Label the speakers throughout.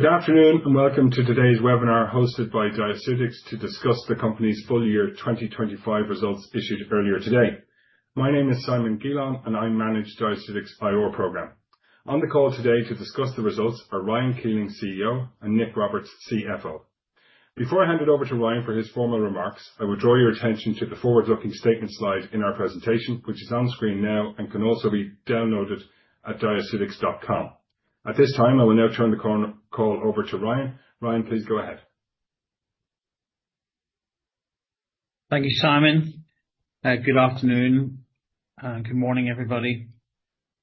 Speaker 1: Good afternoon, and welcome to today's webinar hosted by Diaceutics to discuss the company's full year 2025 results issued earlier today. My name is Simon Geelon, and I manage Diaceutics IR program. On the call today to discuss the results are Ryan Keeling, CEO, and Nick Roberts, CFO. Before I hand it over to Ryan for his formal remarks, I will draw your attention to the forward-looking statement slide in our presentation, which is on screen now and can also be downloaded at diaceutics.com. At this time, I will now turn the call over to Ryan. Ryan, please go ahead.
Speaker 2: Thank you, Simon. Good afternoon and good morning, everybody,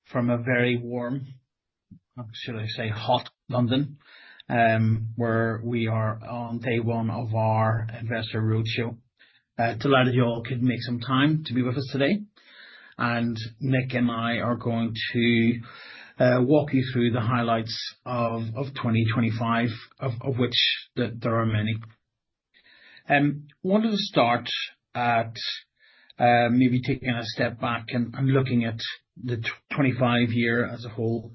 Speaker 2: from a very warm, should I say hot, London, where we are on day one of our investor roadshow. Delighted you all could make some time to be with us today. Nick and I are going to walk you through the highlights of 2025 of which there are many. Wanted to start at maybe taking a step back and looking at the 2025 year as a whole.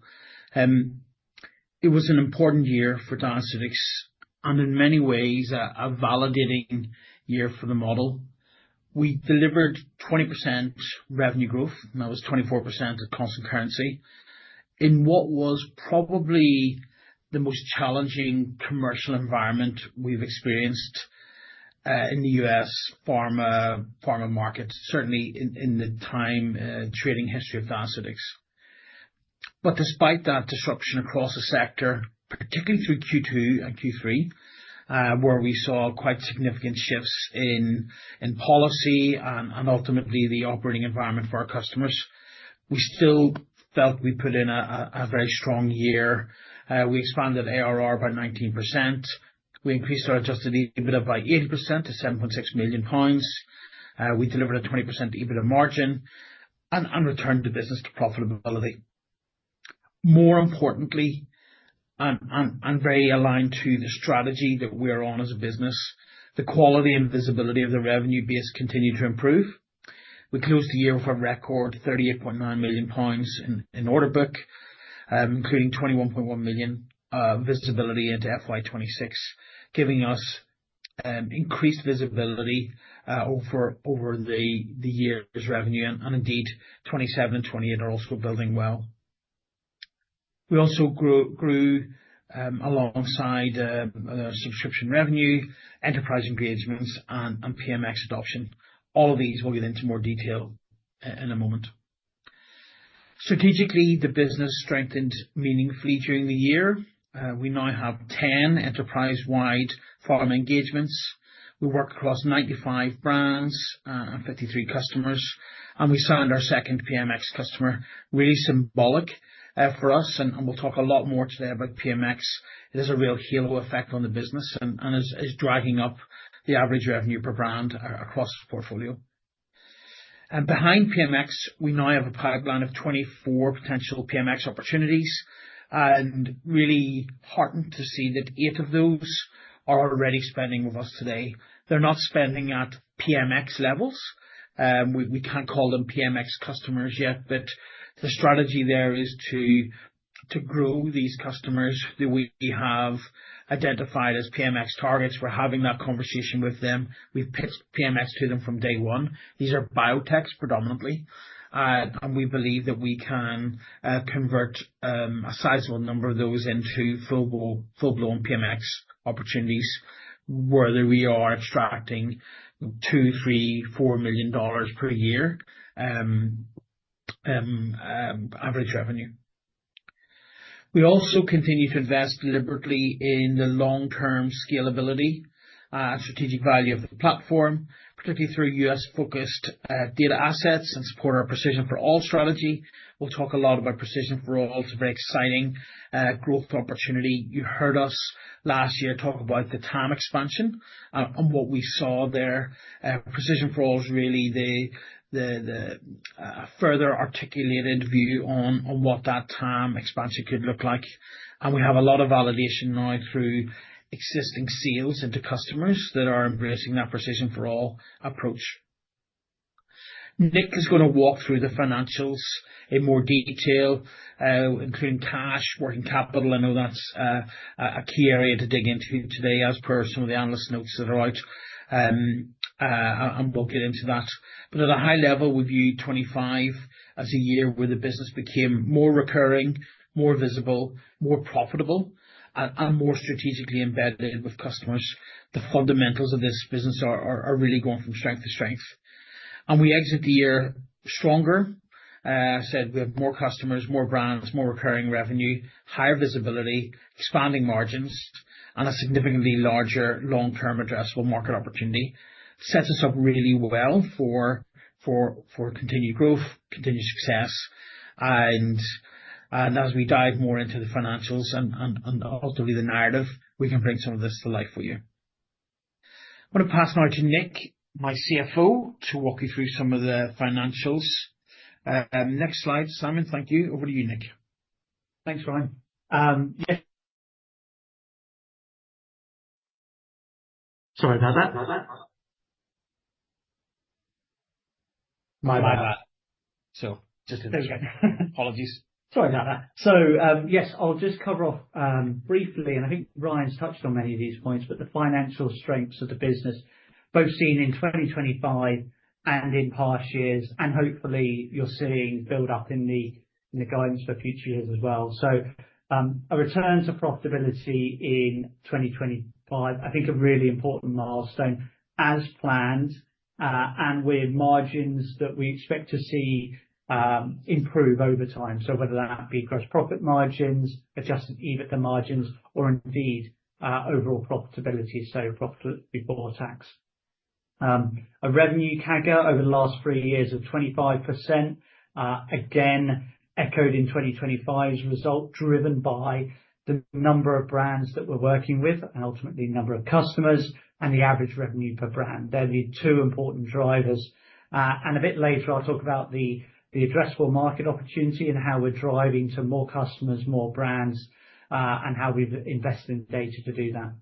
Speaker 2: It was an important year for Diaceutics and in many ways a validating year for the model. We delivered 20% revenue growth, and that was 24% at constant currency, in what was probably the most challenging commercial environment we've experienced, in the U.S. pharma market, certainly in the time, trading history of Diaceutics. Despite that disruption across the sector, particularly through Q2 and Q3, where we saw quite significant shifts in policy and ultimately the operating environment for our customers. We still felt we put in a very strong year. We expanded ARR by 19%. We increased our adjusted EBITDA by 80% to 7.6 million pounds. We delivered a 20% EBITDA margin and returned the business to profitability. More importantly, and very aligned to the strategy that we are on as a business, the quality and visibility of the revenue base continued to improve. We closed the year with a record 38.9 million pounds in order book, including 21.1 million visibility into FY 2026, giving us increased visibility over the year's revenue and indeed 2027 and 2028 are also building well. We also grew alongside subscription revenue, enterprise engagements and PMx adoption. All of these we'll get into more detail in a moment. Strategically, the business strengthened meaningfully during the year. We now have 10 enterprise-wide pharma engagements. We work across 95 brands and 53 customers. We signed our second PMx customer. Really symbolic for us and we'll talk a lot more today about PMx. It has a real halo effect on the business and is dragging up the average revenue per brand across the portfolio. Behind PMx, we now have a pipeline of 24 potential PMx opportunities and really heartened to see that eight of those are already spending with us today. They're not spending at PMx levels. We can't call them PMx customers yet. The strategy there is to grow these customers that we have identified as PMx targets. We're having that conversation with them. We've pitched PMx to them from day one. These are biotechs predominantly. We believe that we can convert a sizable number of those into full-blown PMx opportunities, where we are extracting $2 million, $3 million, $4 million per year, average revenue. We also continue to invest deliberately in the long-term scalability and strategic value of the platform, particularly through U.S.-focused data assets and support our Precision for All strategy. We'll talk a lot about Precision for All. It's a very exciting growth opportunity. You heard us last year talk about the TAM expansion and what we saw there. Precision for All is really the further articulated view on what that TAM expansion could look like. We have a lot of validation now through existing sales into customers that are embracing that Precision for All approach. Nick is going to walk through the financials in more detail, including cash, working capital. I know that's a key area to dig into today as per some of the analyst notes that are out. We'll get into that. At a high level, we view 2025 as a year where the business became more recurring, more visible, more profitable and more strategically embedded with customers. The fundamentals of this business are really going from strength to strength. We exit the year stronger. As I said, we have more customers, more brands, more recurring revenue, higher visibility, expanding margins and a significantly larger long-term addressable market opportunity. Sets us up really well for continued growth, continued success as we dive more into the financials and ultimately the narrative, we can bring some of this to life for you. I'm going to pass now to Nick, my CFO, to walk you through some of the financials. Next slide, Simon. Thank you. Over to you, Nick.
Speaker 3: Thanks, Ryan. Yeah. Sorry about that. My bad.
Speaker 2: So just a-
Speaker 3: There you go.
Speaker 2: Apologies.
Speaker 3: Sorry about that. Yes, I'll just cover off briefly, and I think Ryan's touched on many of these points, but the financial strengths of the business, both seen in 2025 and in past years, and hopefully you're seeing build up in the guidance for future years as well. A return to profitability in 2025, I think a really important milestone as planned, and with margins that we expect to see improve over time. Whether that be gross profit margins, adjusted EBITDA margins or indeed, overall profitability, profit before tax. A revenue CAGR over the last three years of 25%, again echoed in 2025's result, driven by the number of brands that we're working with and ultimately number of customers and the average revenue per brand. They're the two important drivers. A bit later, I'll talk about the addressable market opportunity and how we're driving to more customers, more brands, and how we've invested in data to do that.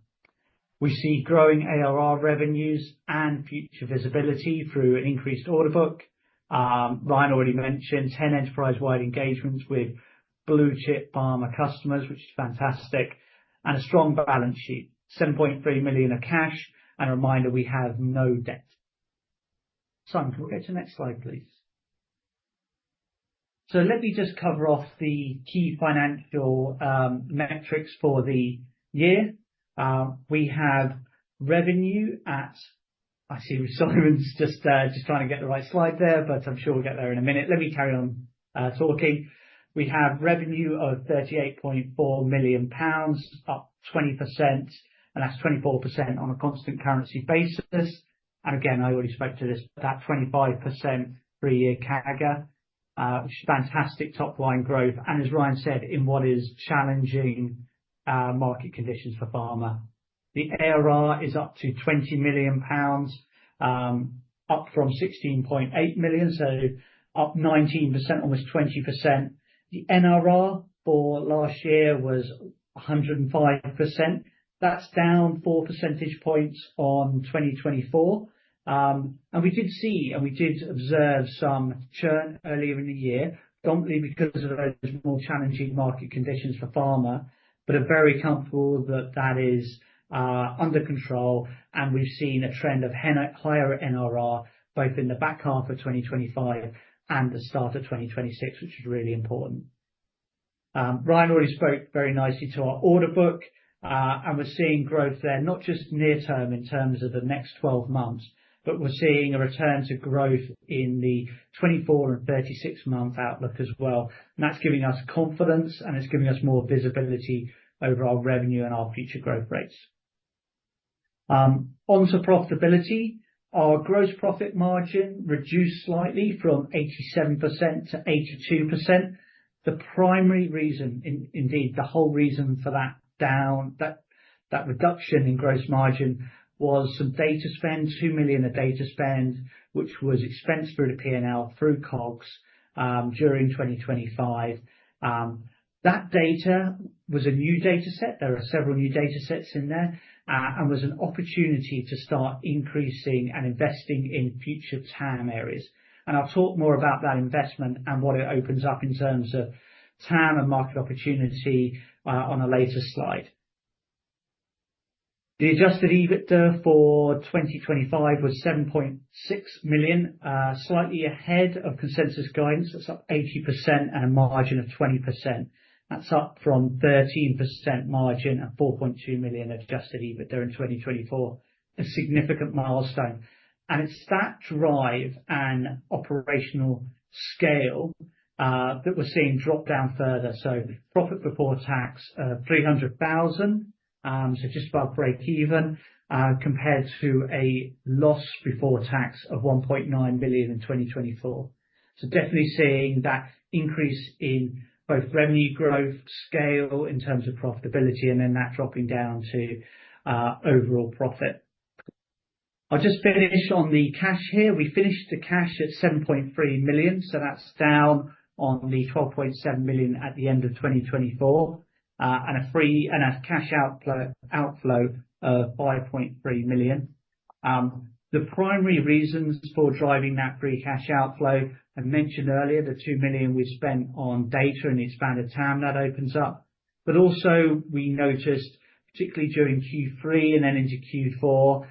Speaker 3: We see growing ARR revenues and future visibility through an increased order book. Ryan already mentioned 10 enterprise-wide engagements with blue-chip pharma customers, which is fantastic. A strong balance sheet, 7.3 million of cash and a reminder we have no debt. Simon, can we go to the next slide, please. Let me just cover off the key financial metrics for the year. We have revenue. I see Simon's just trying to get the right slide there, but I'm sure we'll get there in a minute. Let me carry on talking. We have revenue of 38.4 million pounds, up 20%, and that's 24% on a constant currency basis. Again, I already spoke to this, about 25% three-year CAGR, which is fantastic top line growth and as Ryan said, in what is challenging market conditions for pharma. The ARR is up to 20 million pounds, up from 16.8 million, up 19%, almost 20%. The NRR for last year was 105%. That's down 4 percentage points on 2024. We did see and we did observe some churn earlier in the year, predominantly because of those more challenging market conditions for pharma, but are very comfortable that that is under control. We've seen a trend of higher NRR both in the back half of 2025 and the start of 2026, which is really important. Ryan already spoke very nicely to our order book. We're seeing growth there, not just near term in terms of the next 12 months, but we're seeing a return to growth in the 24 and 36-month outlook as well. That's giving us confidence and it's giving us more visibility over our revenue and our future growth rates. On to profitability. Our gross profit margin reduced slightly from 87% to 82%. The primary reason, indeed the whole reason for that reduction in gross margin was some data spend, 2 million of data spend, which was expensed through the P&L through COGS, during 2025. That data was a new data set. There are several new data sets in there, and was an opportunity to start increasing and investing in future TAM areas. I'll talk more about that investment and what it opens up in terms of TAM and market opportunity on a later slide. The adjusted EBITDA for 2025 was 7.6 million, slightly ahead of consensus guidance. That's up 80% and a margin of 20%. That's up from 13% margin and 4.2 million adjusted EBITDA in 2024. A significant milestone. It's that drive and operational scale that we're seeing drop down further. Profit before tax 300,000, just above break even compared to a loss before tax of 1.9 million in 2024. Definitely seeing that increase in both revenue growth scale in terms of profitability and that dropping down to overall profit. I'll just finish on the cash here. We finished the cash at 7.3 million, so that's down on the 12.7 million at the end of 2024, and a cash outflow of 5.3 million. The primary reasons for driving that free cash outflow, I mentioned earlier, the 2 million we spent on data and expanded TAM that opens up. Also we noticed, particularly during Q3 and then into Q4,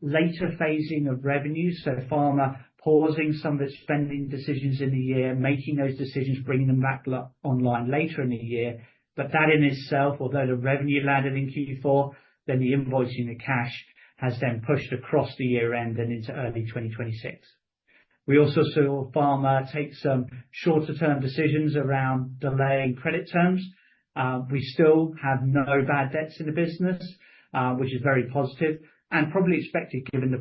Speaker 3: later phasing of revenues. Pharma pausing some of its spending decisions in the year, making those decisions, bringing them back online later in the year. That in itself, although the revenue landed in Q4, then the invoicing, the cash has then pushed across the year-end and into early 2026. We also saw pharma take some shorter-term decisions around delaying credit terms. We still have no bad debts in the business, which is very positive and probably expected given the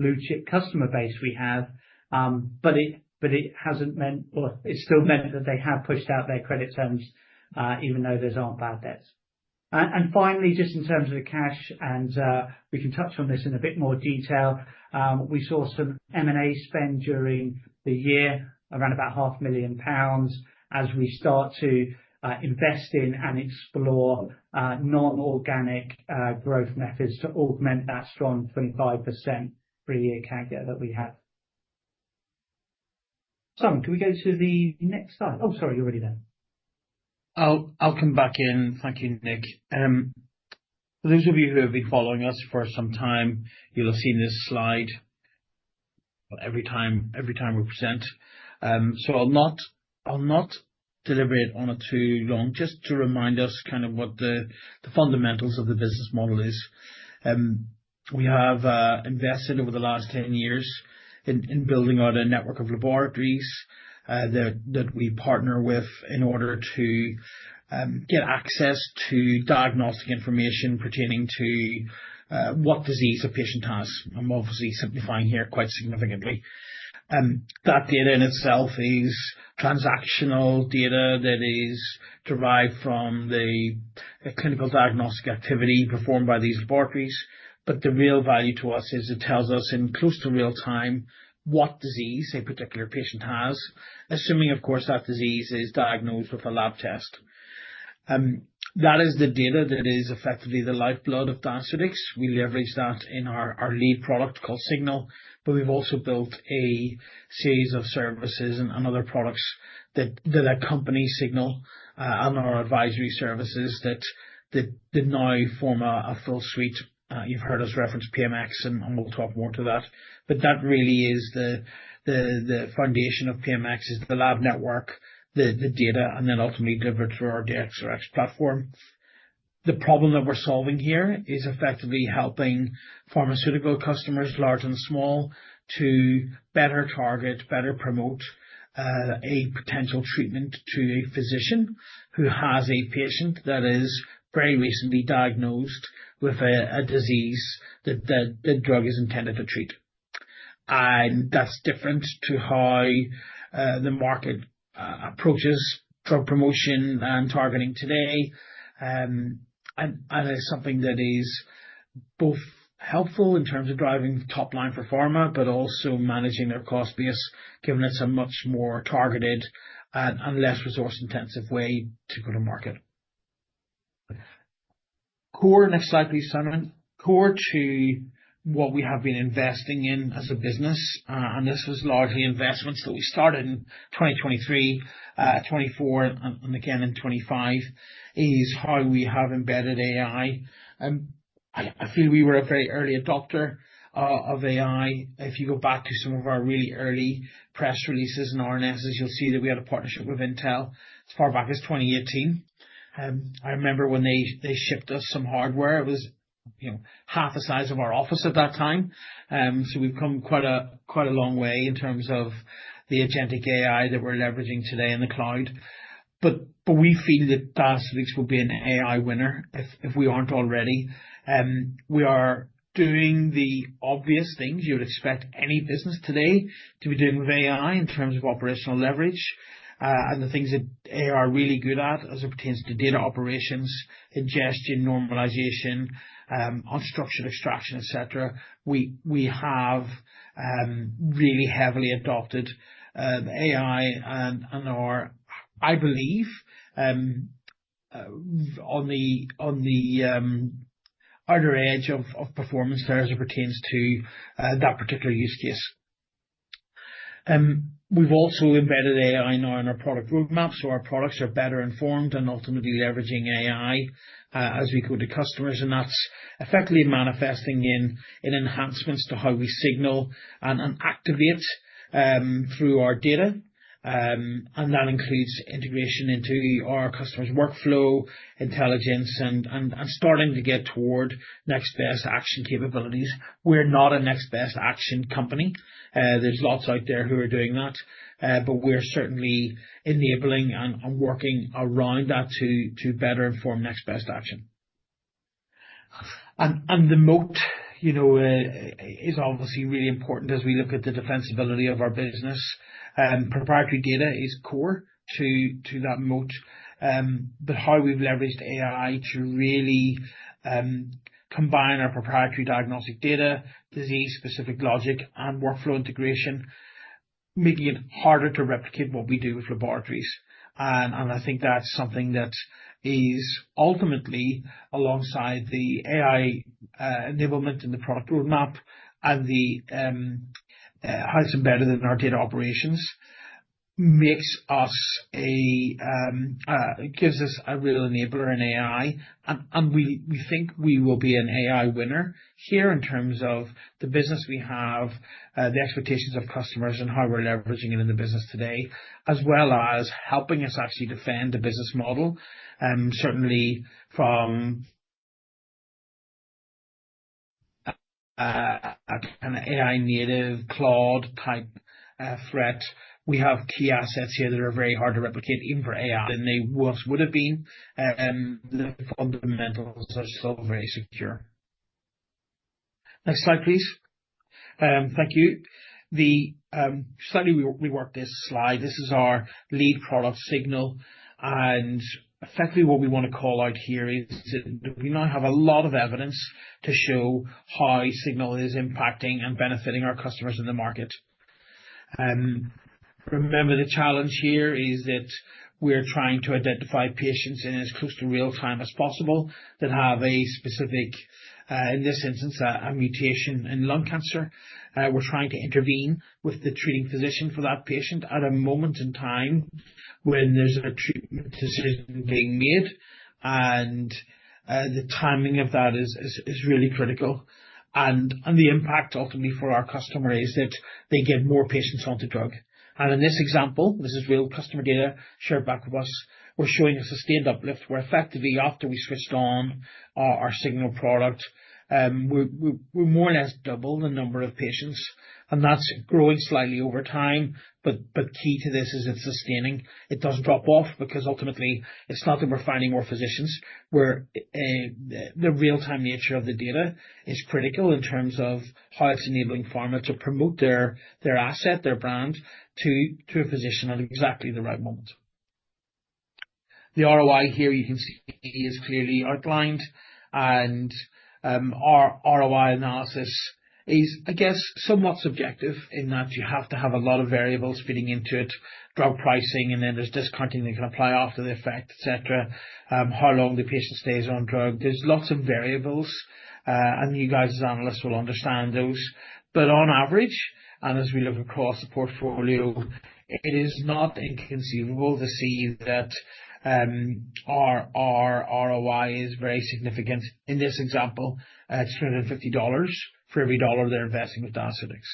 Speaker 3: blue-chip customer base we have. It still meant that they have pushed out their credit terms, even though those aren't bad debts. Finally, just in terms of the cash, and we can touch on this in a bit more detail. We saw some M&A spend during the year around about 500,000 pounds as we start to invest in and explore non-organic growth methods to augment that strong 25% three-year CAGR that we have. Simon, can we go to the next slide? Oh, sorry, you're already there.
Speaker 2: I'll come back in. Thank you, Nick. For those of you who have been following us for some time, you'll have seen this slide every time we present. I'll not deliberate on it too long, just to remind us kind of what the fundamentals of the business model is. We have invested over the last 10 years in building out a network of laboratories that we partner with in order to get access to diagnostic information pertaining to what disease a patient has. I'm obviously simplifying here quite significantly. That data in itself is transactional data that is derived from the clinical diagnostic activity performed by these laboratories. The real value to us is it tells us in close to real time what disease a particular patient has, assuming, of course, that disease is diagnosed with a lab test. That is the data that is effectively the lifeblood of Diaceutics. We leverage that in our lead product called Signal, but we've also built a series of services and other products that accompany Signal and our advisory services that now form a full suite. You've heard us reference PMx, and we'll talk more to that. That really is the foundation of PMx is the lab network, the data, and then ultimately delivered through our DXRX platform. The problem that we're solving here is effectively helping pharmaceutical customers, large and small, to better target, better promote a potential treatment to a physician who has a patient that is very recently diagnosed with a disease that the drug is intended to treat. That's different to how the market approaches drug promotion and targeting today. It's something that is both helpful in terms of driving top-line performance but also managing their cost base, giving us a much more targeted and less resource-intensive way to go to market. Next slide, please, Simon. Core to what we have been investing in as a business, and this is largely investments that we started in 2023, 2024, and again in 2025, is how we have embedded AI. I feel we were a very early adopter of AI. If you go back to some of our really early press releases and RNS, you'll see that we had a partnership with Intel as far back as 2018. I remember when they shipped us some hardware. It was half the size of our office at that time. We've come quite a long way in terms of the agentic AI that we're leveraging today in the cloud. We feel that Diaceutics will be an AI winner if we aren't already. We are doing the obvious things you would expect any business today to be doing with AI in terms of operational leverage. The things that AI are really good at as it pertains to data operations, ingestion, normalization, unstructured extraction, et cetera. We have really heavily adopted AI and are, I believe, on the outer edge of performance there as it pertains to that particular use case. We've also embedded AI now in our product roadmap, so our products are better informed and ultimately leveraging AI as we go to customers, and that's effectively manifesting in enhancements to how we signal and activate through our data. That includes integration into our customers' workflow intelligence and starting to get toward next-best-action capabilities. We're not a next-best-action company. There's lots out there who are doing that. We're certainly enabling and working around that to better inform next-best-action. The moat is obviously really important as we look at the defensibility of our business. Proprietary data is core to that moat. How we've leveraged AI to really combine our proprietary diagnostic data, disease-specific logic, and workflow integration, making it harder to replicate what we do with laboratories. I think that's something that is ultimately alongside the AI enablement in the product roadmap and how it's embedded in our data operations, gives us a real enabler in AI. We think we will be an AI winner here in terms of the business we have, the expectations of customers, and how we're leveraging it in the business today, as well as helping us actually defend the business model. Certainly from an AI native Claude-type threat. We have key assets here that are very hard to replicate even for AI than they would have been, and the fundamentals are still very secure. Next slide, please. Thank you. Slightly reworked this slide. This is our lead product, Signal, and effectively what we want to call out here is that we now have a lot of evidence to show how Signal is impacting and benefiting our customers in the market. Remember, the challenge here is that we're trying to identify patients in as close to real-time as possible that have a specific, in this instance, a mutation in lung cancer. We're trying to intervene with the treating physician for that patient at a moment in time when there's a treatment decision being made. The timing of that is really critical. The impact ultimately for our customer is that they get more patients on the drug. In this example, this is real customer data shared back with us. We're showing a sustained uplift where effectively after we switched on our Signal product, we more or less double the number of patients, and that's growing slightly over time. Key to this is it's sustaining. It doesn't drop off because ultimately it's not that we're finding more physicians. The real-time nature of the data is critical in terms of how it's enabling pharma to promote their asset, their brand, to a physician at exactly the right moment. The ROI here you can see is clearly outlined, and our ROI analysis is, I guess, somewhat subjective in that you have to have a lot of variables feeding into it, drug pricing, and then there's discounting that can apply after the effect, et cetera. How long the patient stays on drug. There's lots of variables. You guys as analysts will understand those. On average, and as we look across the portfolio, it is not inconceivable to see that our ROI is very significant. In this example, it's $350 for every dollar they're investing with Diaceutics.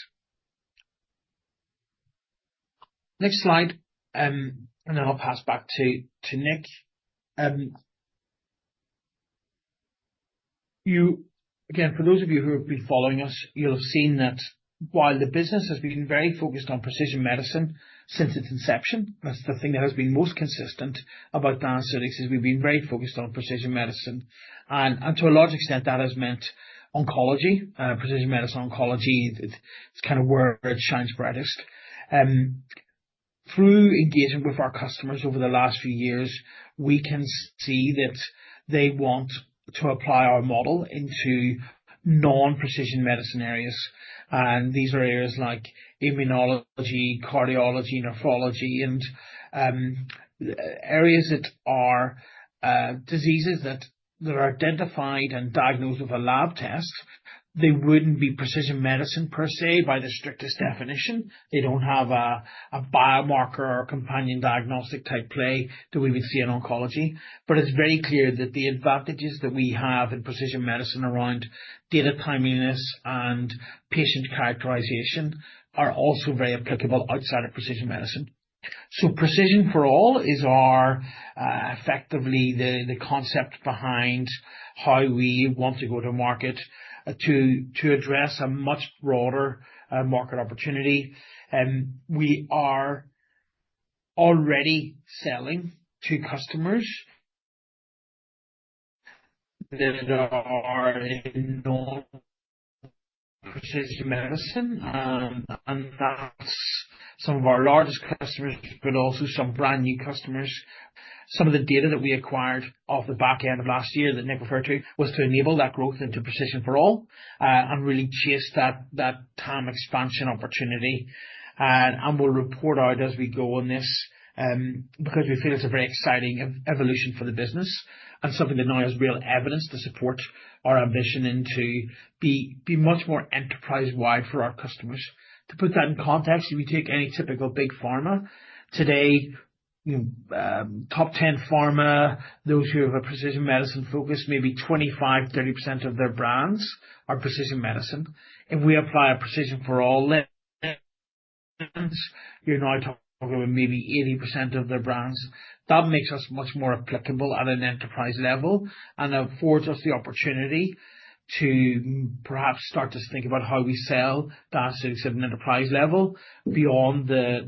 Speaker 2: Next slide. Then I'll pass back to Nick. Again, for those of you who have been following us, you'll have seen that while the business has been very focused on precision medicine since its inception, that's the thing that has been most consistent about Diaceutics is we've been very focused on precision medicine. To a large extent, that has meant oncology, precision medicine oncology. It's kind of where it shines brightest. Through engaging with our customers over the last few years, we can see that they want to apply our model into non-precision medicine areas. These are areas like immunology, cardiology, nephrology, and areas that are diseases that are identified and diagnosed with a lab test. They wouldn't be precision medicine per se, by the strictest definition. They don't have a biomarker or companion diagnostic type play the way we see in oncology. It's very clear that the advantages that we have in precision medicine around data timeliness and patient characterization are also very applicable outside of precision medicine. Precision for All is our, effectively the concept behind how we want to go to market to address a much broader market opportunity. We are already selling to customers that are in non-precision medicine, and that's some of our largest customers, but also some brand new customers. Some of the data that we acquired off the back end of last year that Nick referred to was to enable that growth into Precision for All, and really chase that TAM expansion opportunity. We'll report out as we go on this, because we feel it's a very exciting evolution for the business and something that now has real evidence to support our ambition into be much more enterprise-wide for our customers. To put that in context, if you take any typical big pharma today, top 10 pharma, those who have a precision medicine focus, maybe 25%, 30% of their brands are precision medicine. If we apply a Precision for All lens, you're now talking about maybe 80% of their brands. That makes us much more applicable at an enterprise level and affords us the opportunity to perhaps start to think about how we sell Diaceutics at an enterprise level beyond the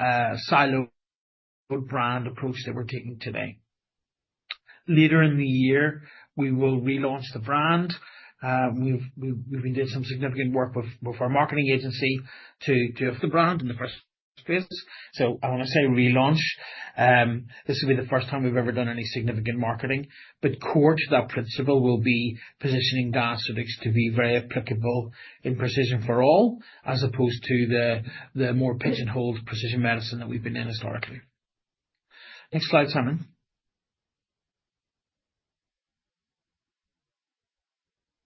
Speaker 2: siloed brand approach that we're taking today. Later in the year, we will relaunch the brand. We've been doing some significant work with our marketing agency to lift the brand in the first place. When I say relaunch, this will be the first time we've ever done any significant marketing. Core to that principle will be positioning Diaceutics to be very applicable in Precision for All as opposed to the more pigeonholed precision medicine that we've been in historically. Next slide, Simon.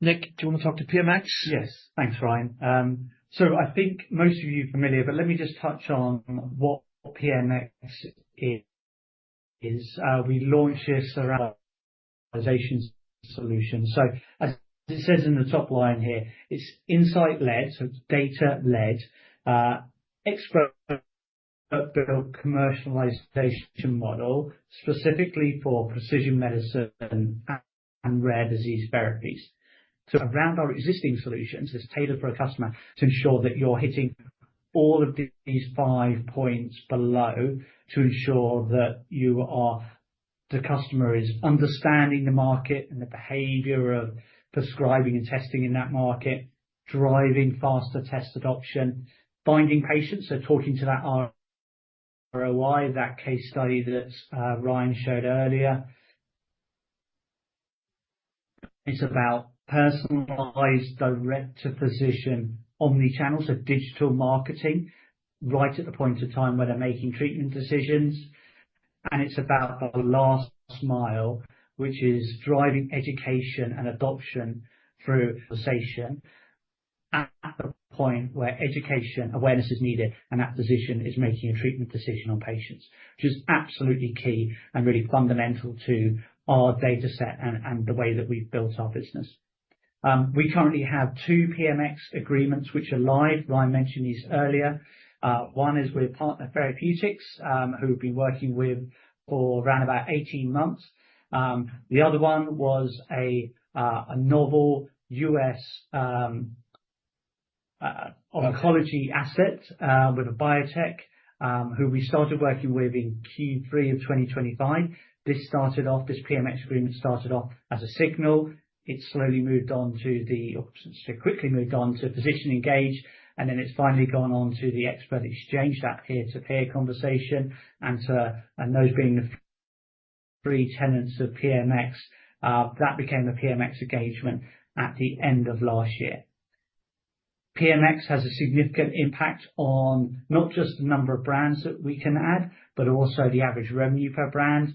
Speaker 2: Nick, do you want to talk to PMx?
Speaker 3: Yes. Thanks, Ryan. I think most of you are familiar, but let me just touch on what PMx is. We launched this around our commercialization solution. As it says in the top line here, it's insight-led, so it's data-led. Expert-built commercialization model specifically for precision medicine and rare disease therapies. Around our existing solutions, it's tailored for a customer to ensure that you're hitting all of these five points below to ensure that the customer is understanding the market and the behavior of prescribing and testing in that market, driving faster test adoption, finding patients. Talking to that ROI, that case study that Ryan showed earlier. It's about personalized direct-to-physician omnichannels of digital marketing, right at the point of time where they're making treatment decisions. It's about that last mile, which is driving education and adoption through conversation at the point where education awareness is needed, and that physician is making a treatment decision on patients. This is absolutely key and really fundamental to our data set and the way that we've built our business. We currently have two PMx agreements which are live. Ryan mentioned these earlier. One is with Partner Therapeutics, who we've been working with for around about 18 months. The other one was a novel U.S. oncology asset with a biotech, who we started working with in Q3 of 2025. This PMx agreement started off as a Signal. It slowly moved on to Physician Engage, and then it's finally gone on to the Expert Exchange, that peer-to-peer conversation, and those being the three tenants of PMx, that became the PMx engagement at the end of last year. PMx has a significant impact on not just the number of brands that we can add, but also the average revenue per brand.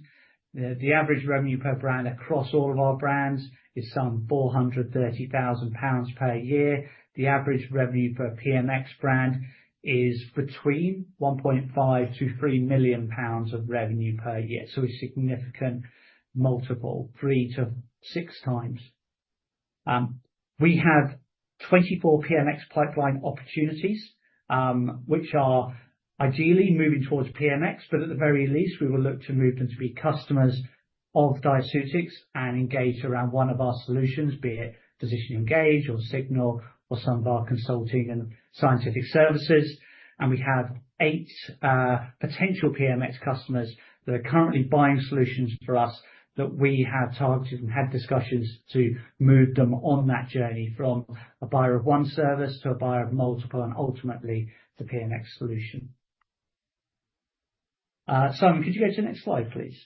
Speaker 3: The average revenue per brand across all of our brands is some 430,000 pounds per year. The average revenue per PMx brand is between 1.5 million-3 million pounds of revenue per year. A significant multiple, three to six times. We have 24 PMx pipeline opportunities, which are ideally moving towards PMx, but at the very least, we will look to move them to be customers of Diaceutics and engage around one of our solutions, be it Physician Engage or Signal, or some of our consulting and scientific services. We have eight potential PMx customers that are currently buying solutions for us, that we have targeted and had discussions to move them on that journey from a buyer of one service to a buyer of multiple, and ultimately to PMx solution. Simon, could you go to the next slide, please?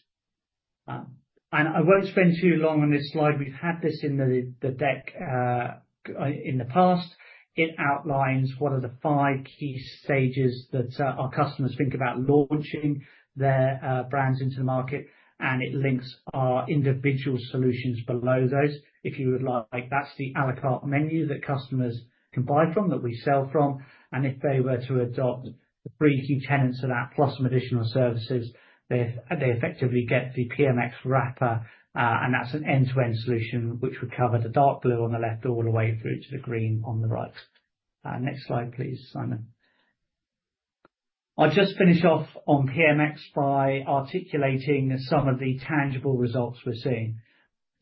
Speaker 3: I won't spend too long on this slide. We've had this in the deck in the past. It outlines what are the five key stages that our customers think about launching their brands into the market, and it links our individual solutions below those. If you would like, that's the à la carte menu that customers can buy from, that we sell from, and if they were to adopt the three key tenets of that plus some additional services, they effectively get the PMx wrapper, and that's an end-to-end solution which would cover the dark blue on the left all the way through to the green on the right. Next slide, please, Simon. I'll just finish off on PMx by articulating some of the tangible results we're seeing.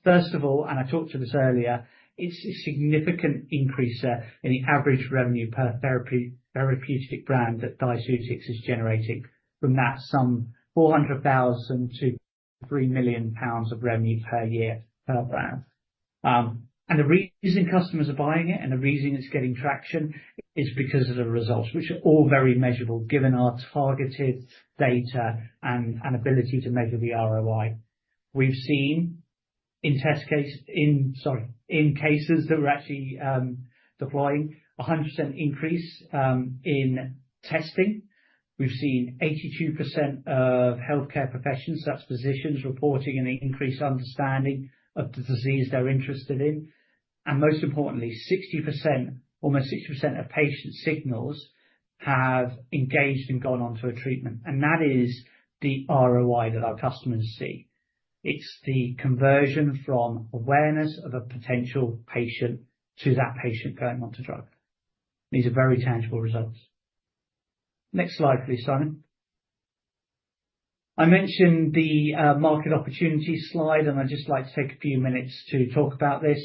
Speaker 3: First of all, and I talked to this earlier, it's a significant increase in the average revenue per therapeutic brand that Diaceutics is generating from that some 400,000 to 3 million pounds of revenue per year per brand. The reason customers are buying it and the reason it's getting traction is because of the results, which are all very measurable given our targeted data and ability to measure the ROI. We've seen in cases that we're actually deploying 100% increase in testing. We've seen 82% of healthcare professionals, such as physicians, reporting an increased understanding of the disease they're interested in. Most importantly, almost 60% of patient signals have engaged and gone on to a treatment. That is the ROI that our customers see. It's the conversion from awareness of a potential patient to that patient going onto drug. These are very tangible results. Next slide, please, Simon. I mentioned the market opportunity slide, and I'd just like to take a few minutes to talk about this.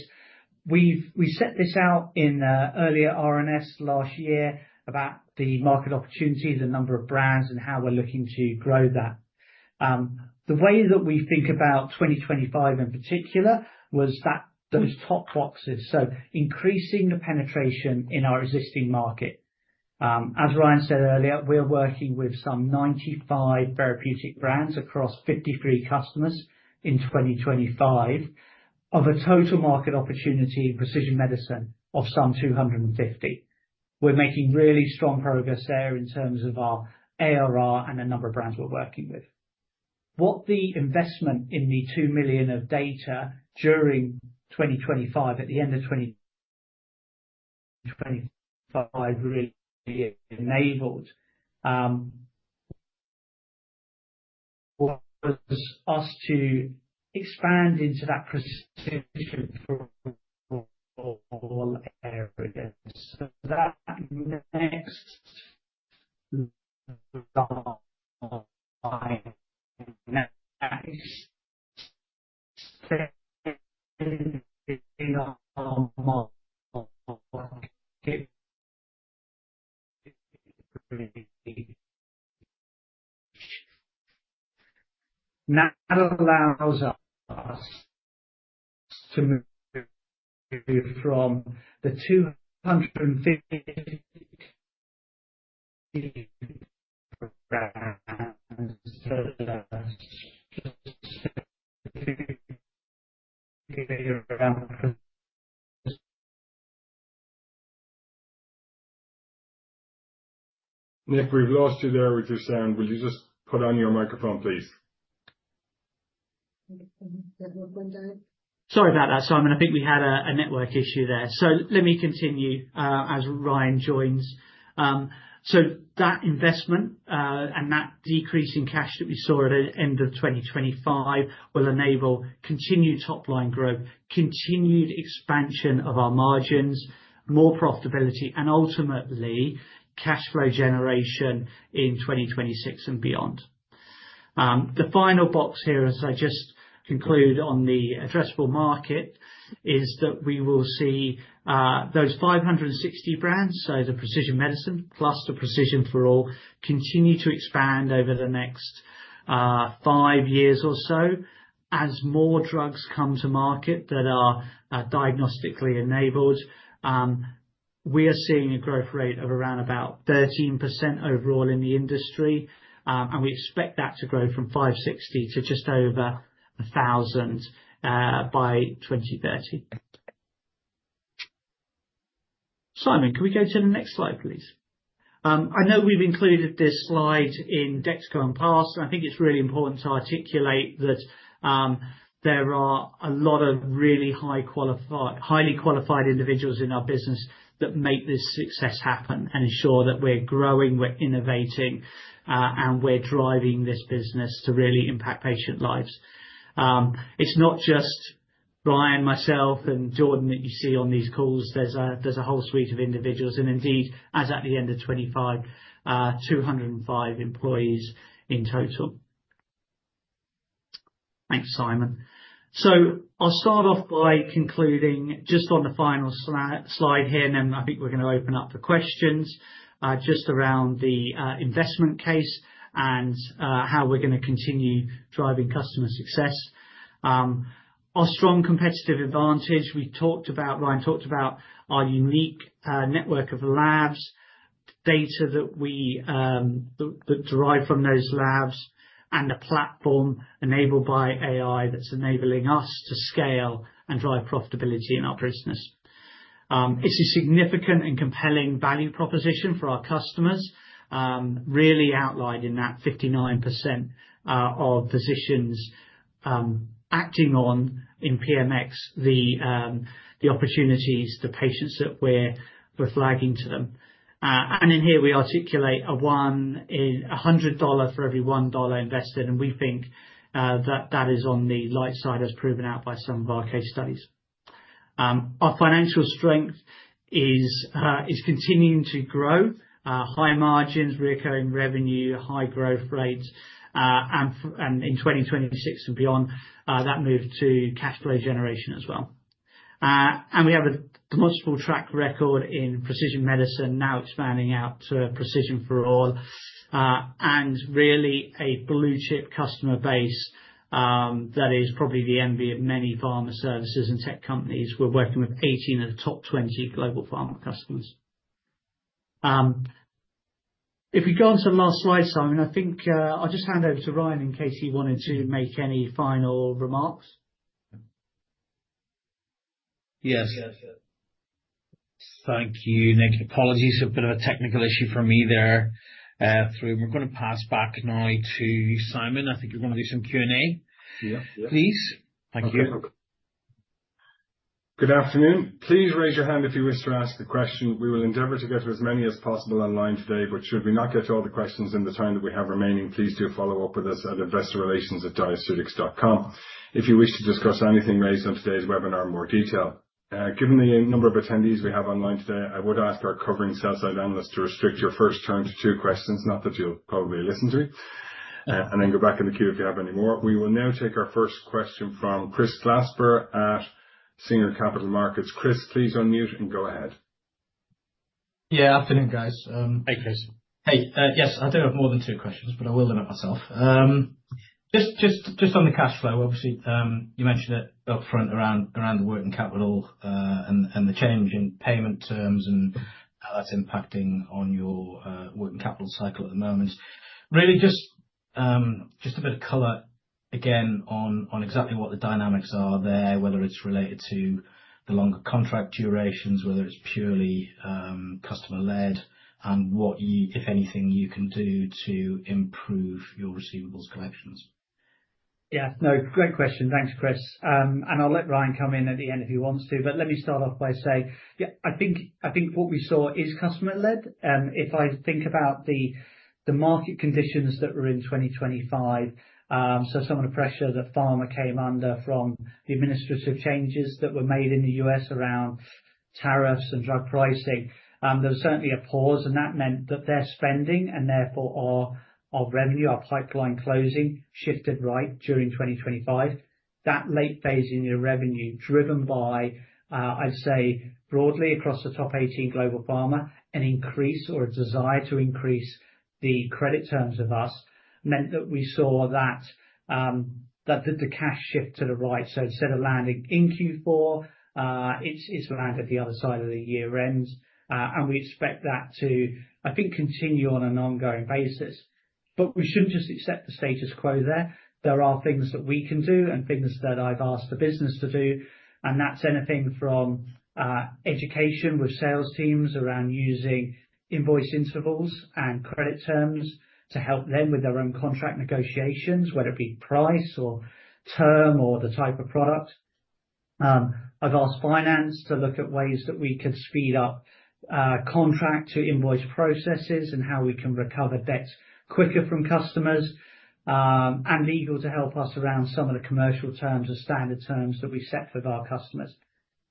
Speaker 3: We set this out in an earlier RNS last year about the market opportunity, the number of brands, and how we're looking to grow that. The way that we think about 2025 in particular was that those top boxes. Increasing the penetration in our existing market. As Ryan said earlier, we're working with some 95 therapeutic brands across 53 customers in 2025 of a total market opportunity in precision medicine of some 250. We're making really strong progress there in terms of our ARR and the number of brands we're working with. What the investment in the two million of data during 2025 at the end of 2025 really enabled, was us to expand into that precision area. That next now allows us to move from the 250
Speaker 1: Nick, we've lost you there with your sound. Will you just put on your microphone, please?
Speaker 3: Sorry about that, Simon. I think we had a network issue there. Let me continue, as Ryan joins. That investment, and that decrease in cash that we saw at end of 2025 will enable continued top-line growth, continued expansion of our margins, more profitability, and ultimately cash flow generation in 2026 and beyond. The final box here, as I just conclude on the addressable market, is that we will see those 560 brands, so the precision medicine plus the Precision for All, continue to expand over the next 5 years or so as more drugs come to market that are diagnostically enabled. We are seeing a growth rate of around about 13% overall in the industry. We expect that to grow from 560 to just over 1,000 by 2030. Simon, can we go to the next slide, please? I know we've included this slide in decks gone past, and I think it's really important to articulate that there are a lot of really highly qualified individuals in our business that make this success happen and ensure that we're growing, we're innovating, and we're driving this business to really impact patient lives. It's not just Ryan, myself, and Jordan that you see on these calls. There's a whole suite of individuals and indeed, as at the end of 2025, 205 employees in total. Thanks, Simon. I'll start off by concluding just on the final slide here, and then I think we're gonna open up for questions, just around the investment case and how we're gonna continue driving customer success. Our strong competitive advantage, we talked about, Ryan talked about our unique network of labs, data that derive from those labs, and the platform enabled by AI that's enabling us to scale and drive profitability in our business. It's a significant and compelling value proposition for our customers. Really outlined in that 59% of physicians acting on, in PMx, the opportunities, the patients that we're flagging to them. In here, we articulate $100 for every $1 invested, and we think that that is on the light side as proven out by some of our case studies. Our financial strength is continuing to grow. High margins, recurring revenue, high growth rates. In 2026 and beyond, that move to cash flow generation as well. We have a demonstrable track record in precision medicine now expanding out to Precision for All. Really a blue-chip customer base, that is probably the envy of many pharma services and tech companies. We're working with 18 of the top 20 global pharma customers. If we go onto the last slide, Simon, I think I'll just hand over to Ryan in case he wanted to make any final remarks.
Speaker 2: Yes. Thank you, Nick. Apologies, a bit of a technical issue for me there. I think we're going to pass back now to Simon. I think you're going to do some Q&A.
Speaker 1: Yeah.
Speaker 2: Please. Thank you.
Speaker 1: Okay. Good afternoon. Please raise your hand if you wish to ask a question. We will endeavor to get to as many as possible online today. Should we not get to all the questions in the time that we have remaining, please do follow up with us at investorrelations@diaceutics.com if you wish to discuss anything raised on today's webinar in more detail. Given the number of attendees we have online today, I would ask our covering sell-side analysts to restrict your first turn to two questions, not that you'll probably listen to me. Then go back in the queue if you have any more. We will now take our first question from Chris Glasper at Singer Capital Markets. Chris, please unmute and go ahead.
Speaker 4: Yeah. Afternoon, guys.
Speaker 3: Hey, Chris.
Speaker 4: Hey. Yes, I do have more than two questions, but I will limit myself. Just on the cash flow, obviously, you mentioned it upfront around the working capital, and the change in payment terms, and how that's impacting on your working capital cycle at the moment. Really just a bit of color again on exactly what the dynamics are there, whether it's related to the longer contract durations, whether it's purely customer-led, and what you, if anything, you can do to improve your receivables collections?
Speaker 3: Yeah. No, great question. Thanks, Chris. I'll let Ryan come in at the end if he wants to, but let me start off by saying, yeah, I think what we saw is customer-led. If I think about the market conditions that were in 2025, so some of the pressure that pharma came under from the administrative changes that were made in the U.S. around tariffs and drug pricing. There was certainly a pause, and that meant that their spending and therefore our revenue, our pipeline closing shifted right during 2025. That late phase in your revenue driven by, I'd say broadly across the top 18 global pharma, an increase or a desire to increase the credit terms with us meant that we saw that the cash shift to the right. Instead of landing in Q4, it's landed the other side of the year-end. We expect that to, I think, continue on an ongoing basis. We shouldn't just accept the status quo there. There are things that we can do and things that I've asked the business to do, and that's anything from education with sales teams around using invoice intervals and credit terms to help them with their own contract negotiations, whether it be price or term or the type of product. I've asked finance to look at ways that we could speed up contract to invoice processes and how we can recover debts quicker from customers, and legal to help us around some of the commercial terms or standard terms that we set with our customers.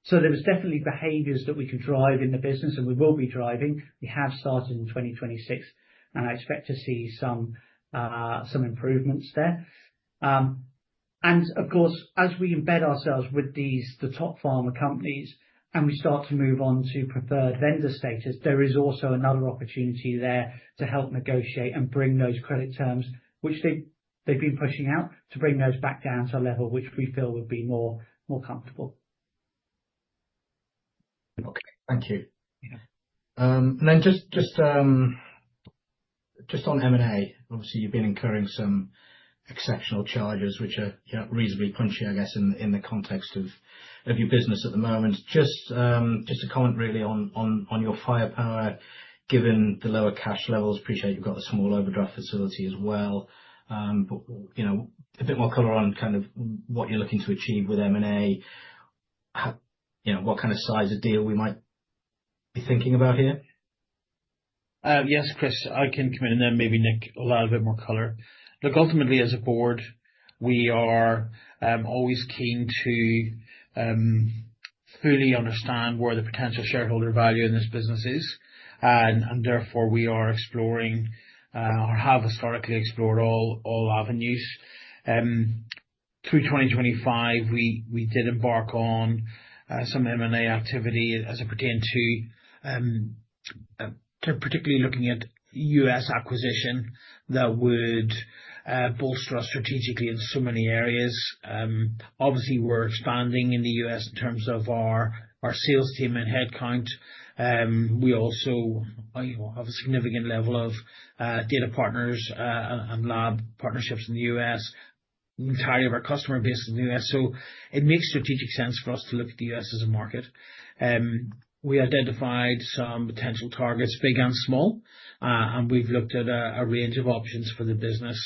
Speaker 3: There's definitely behaviors that we can drive in the business, and we will be driving. We have started in 2026, and I expect to see some improvements there. Of course, as we embed ourselves with the top pharma companies, and we start to move on to preferred vendor status, there is also another opportunity there to help negotiate and bring those credit terms, which they've been pushing out, to bring those back down to a level which we feel would be more comfortable.
Speaker 4: Okay. Thank you.
Speaker 3: Yeah.
Speaker 4: Just on M&A, obviously, you've been incurring some exceptional charges which are reasonably punchy, I guess, in the context of your business at the moment. Just to comment really on your firepower, given the lower cash levels. Appreciate you've got a small overdraft facility as well. A bit more color on kind of what you're looking to achieve with M&A, what kind of size of deal we might be thinking about here.
Speaker 2: Yes, Chris, I can come in and then maybe Nick will add a bit more color. Look, ultimately as a board, we are always keen to fully understand where the potential shareholder value in this business is. Therefore, we are exploring or have historically explored all avenues. Through 2025, we did embark on some M&A activity as it pertained to particularly looking at U.S. acquisition that would bolster us strategically in so many areas. Obviously, we're expanding in the U.S. in terms of our sales team and headcount. We also have a significant level of data partners and lab partnerships in the U.S., the entirety of our customer base is in the U.S. It makes strategic sense for us to look at the U.S. as a market. We identified some potential targets, big and small, and we've looked at a range of options for the business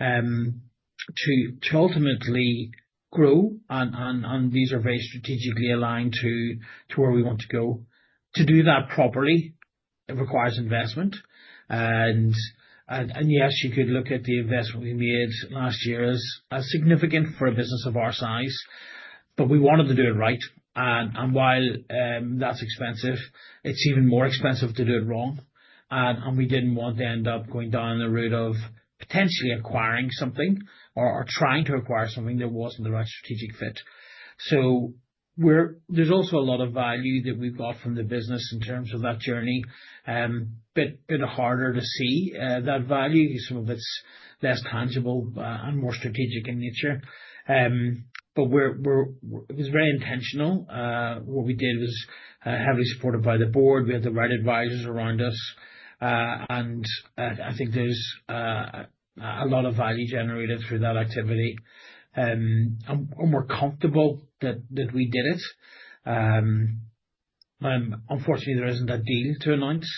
Speaker 2: to ultimately grow on. These are very strategically aligned to where we want to go. To do that properly, it requires investment. Yes, you could look at the investment we made last year as significant for a business of our size, but we wanted to do it right. While that's expensive, it's even more expensive to do it wrong. We didn't want to end up going down the route of potentially acquiring something or trying to acquire something that wasn't the right strategic fit. There's also a lot of value that we've got from the business in terms of that journey. Bit harder to see that value. Some of it's less tangible and more strategic in nature. It was very intentional. What we did was heavily supported by the board. We had the right advisors around us, and I think there's a lot of value generated through that activity. We're comfortable that we did it. Unfortunately, there isn't a deal to announce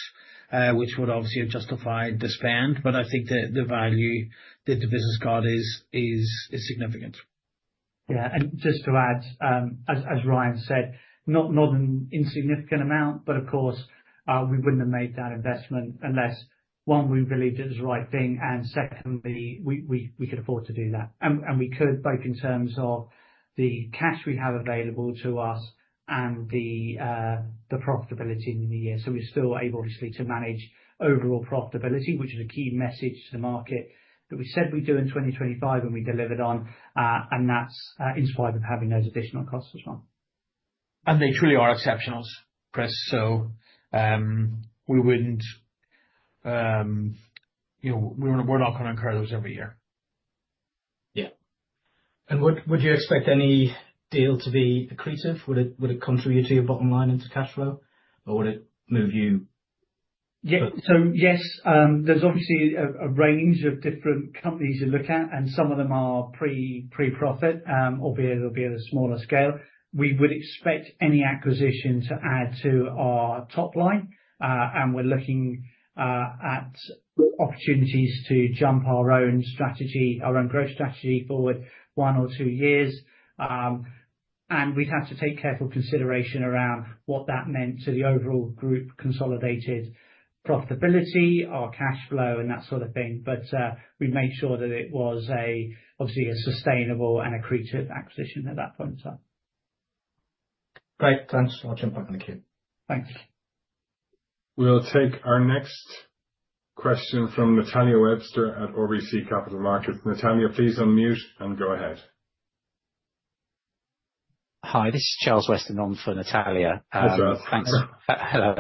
Speaker 2: which would obviously have justified the spend, but I think the value that the business got is significant.
Speaker 3: Yeah. Just to add, as Ryan said, not an insignificant amount, but of course, we wouldn't have made that investment unless, one, we believed it was the right thing and secondly, we could afford to do that. We could both in terms of the cash we have available to us and the profitability in the new year. We're still able, obviously, to manage overall profitability, which is a key message to the market that we said we'd do in 2025, and we delivered on. That's in spite of having those additional costs as well.
Speaker 2: They truly are exceptionals, Chris. We're not going to incur those every year.
Speaker 3: Yeah.
Speaker 4: Would you expect any deal to be accretive? Would it contribute to your bottom line into cash flow?
Speaker 3: Yes. There's obviously a range of different companies you look at, and some of them are pre-profit, albeit it'll be at a smaller scale. We would expect any acquisition to add to our top line. We're looking at opportunities to jump our own growth strategy forward one or two years. We'd have to take careful consideration around what that meant to the overall group consolidated profitability, our cash flow, and that sort of thing. We'd make sure that it was obviously a sustainable and accretive acquisition at that point in time.
Speaker 4: Great. Thanks. I'll jump back in the queue.
Speaker 3: Thanks.
Speaker 1: We'll take our next question from Natalia Webster at RBC Capital Markets. Natalia, please unmute and go ahead.
Speaker 5: Hi, this is Charles Weston on for Natalia.
Speaker 2: Hi, Charles.
Speaker 5: Hello.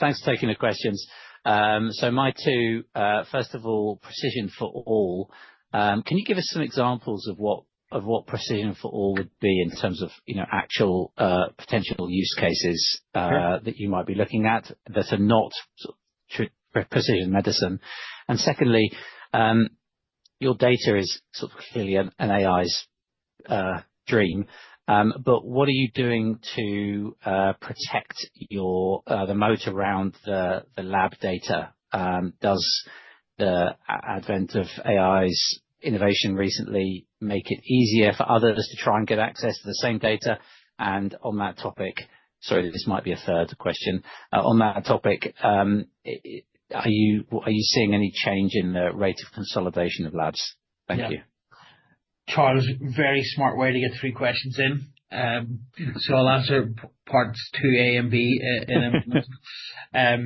Speaker 5: Thanks for taking the questions. My two, first of all, Precision for All. Can you give us some examples of what Precision for All would be in terms of actual potential use cases?
Speaker 2: Sure
Speaker 5: that you might be looking at that are not precision medicine? Secondly, your data is clearly an AI's dream. What are you doing to protect the moat around the lab data? Does the advent of AI's innovation recently make it easier for others to try and get access to the same data? On that topic, sorry, this might be a third question. On that topic, are you seeing any change in the rate of consolidation of labs? Thank you.
Speaker 2: Yeah. Charles, very smart way to get three questions in. I'll answer parts two A and B in a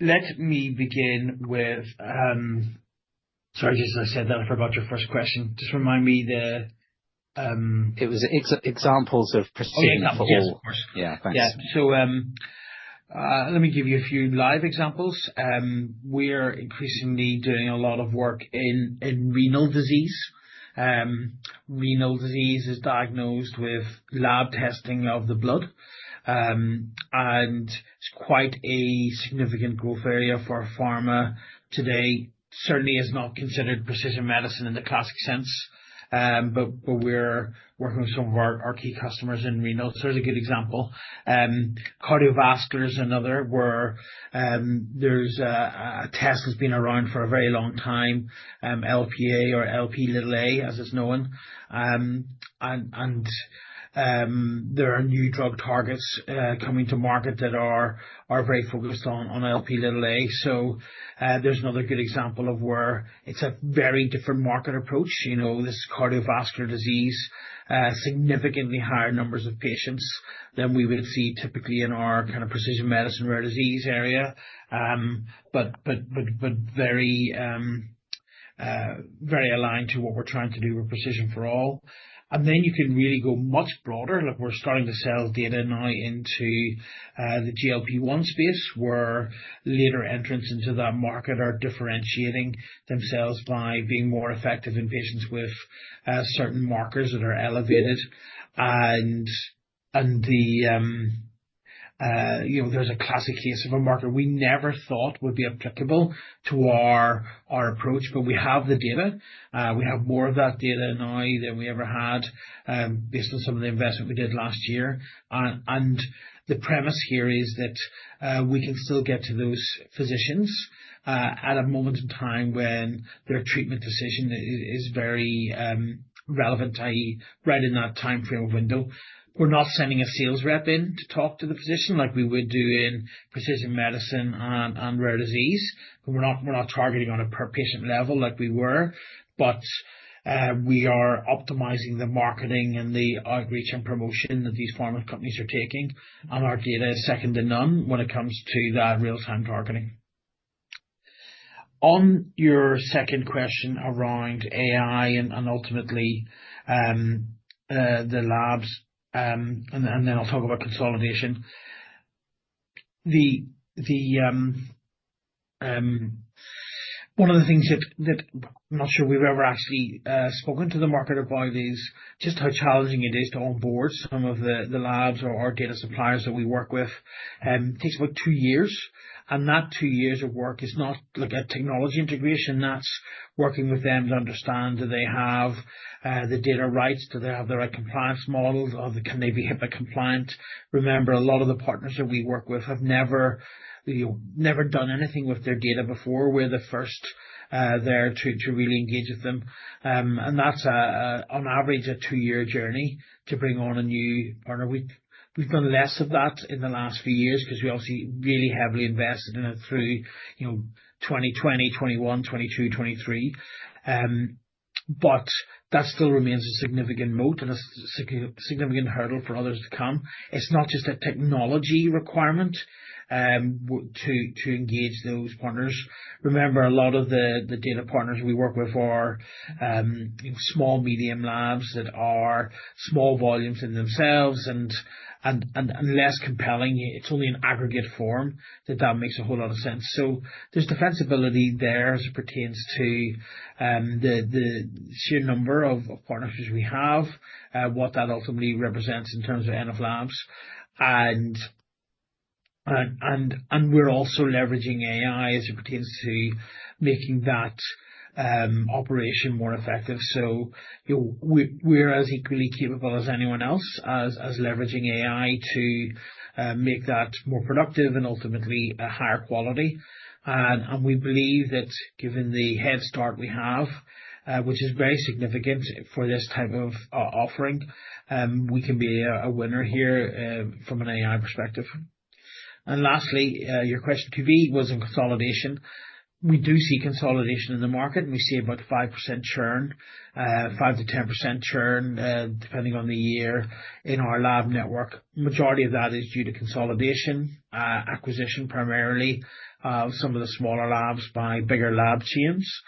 Speaker 2: minute. Sorry, as I said that, I forgot your first question. Just remind me.
Speaker 5: It was examples of Precision for All.
Speaker 2: Oh, example. Yes, of course.
Speaker 5: Yeah. Thanks.
Speaker 2: Yeah. Let me give you a few live examples. We are increasingly doing a lot of work in renal disease. Renal disease is diagnosed with lab testing of the blood, and it's quite a significant growth area for pharma today. Certainly is not considered precision medicine in the classic sense. We're working with some of our key customers in renal, so there's a good example. Cardiovascular is another, where there's a test that's been around for a very long time, Lp(a) or "L-P-little-A" as it's known. There are new drug targets coming to market that are very focused on Lp(a). There's another good example of where it's a very different market approach. This cardiovascular disease, significantly higher numbers of patients than we would see typically in our kind of Precision medicine, rare disease area. Very aligned to what we're trying to do with Precision for All. You can really go much broader. Look, we're starting to sell data now into the GLP-1 space, where later entrants into that market are differentiating themselves by being more effective in patients with certain markers that are elevated. There's a classic case of a marker we never thought would be applicable to our approach, but we have the data. We have more of that data now than we ever had, based on some of the investment we did last year. The premise here is that we can still get to those physicians at a moment in time when their treatment decision is very relevant, i.e., right in that timeframe window. We're not sending a sales rep in to talk to the physician like we would do in precision medicine and rare disease. We're not targeting on a per-patient level like we were. We are optimizing the marketing and the outreach and promotion that these pharma companies are taking, and our data is second to none when it comes to that real-time targeting. On your second question around AI and ultimately the labs, and then I'll talk about consolidation. One of the things that I'm not sure we've ever actually spoken to the market about is just how challenging it is to onboard some of the labs or our data suppliers that we work with. Takes about two years, and that two years of work is not like a technology integration. That's working with them to understand, do they have the data rights? Do they have the right compliance models, or can they be HIPAA-compliant? Remember, a lot of the partners that we work with have never done anything with their data before. We're the first there to really engage with them. That's, on average, a two-year journey to bring on a new partner. We've done less of that in the last few years because we obviously really heavily invested in it through 2020, 2021, 2022, 2023. That still remains a significant moat and a significant hurdle for others to come. It's not just a technology requirement to engage those partners. Remember, a lot of the data partners we work with are small-medium labs that are small volumes in themselves and less compelling. It's only in aggregate form that that makes a whole lot of sense. There's defensibility there as it pertains to the sheer number of partners we have, what that ultimately represents in terms of N of labs, and we're also leveraging AI as it pertains to making that operation more effective. We're as equally capable as anyone else as leveraging AI to make that more productive and ultimately a higher quality. We believe that given the head start we have, which is very significant for this type of offering, we can be a winner here from an AI perspective. Lastly, your question, could be, was in consolidation. We do see consolidation in the market, and we see about 5% churn. 5%-10% churn, depending on the year in our lab network. Majority of that is due to consolidation, acquisition primarily of some of the smaller labs by bigger lab chains.